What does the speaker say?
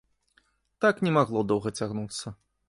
Так не магло доўга цягнуцца.